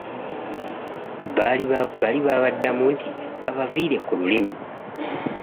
Bali babaddamu nti babaviire ku lulimi.